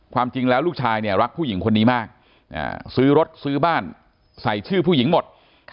ความจริงแล้วลูกชายเนี่ยรักผู้หญิงคนนี้มากซื้อรถซื้อบ้านใส่ชื่อผู้หญิงหมด